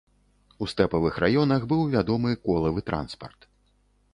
У стэпавых раёнах быў вядомы колавы транспарт.